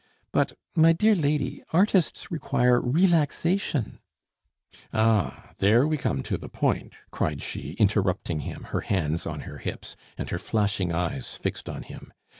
But, my dear lady, artists require relaxation " "Ah! there we come to the point!" cried she, interrupting him, her hands on her hips, and her flashing eyes fixed on him.